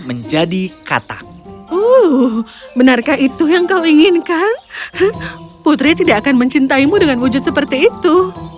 menjadi kata benarkah itu yang kau inginkan putri tidak akan mencintaimu dengan wujud seperti itu